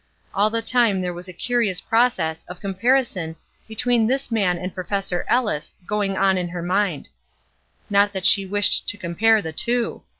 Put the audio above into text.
All the time there was a curious process of comparison between this man and Professor Ellis going on in her mind. Not that she wished to compare the two!